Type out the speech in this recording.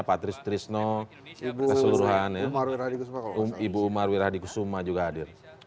patrice trisno ibu umar wiradikusuma juga hadir